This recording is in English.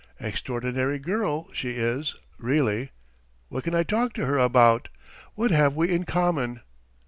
Extraordinary girl she is, really! What can I talk to her about? What have we in common?